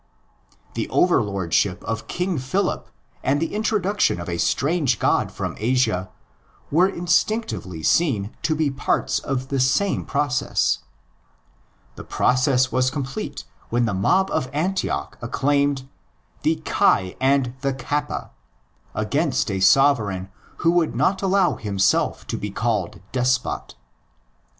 The overlordship of King Philip and the introduction of a strange god from Asia were instinctively seen to be |! PT ed — ee wor 40 THE ORIGINS OF CHRISTIANITY parts of the same process. The process was complete when the mob of Antioch acclaimed '' the Chi and the Kappa''! against a sovereign who would not allow himself to be called '' despot."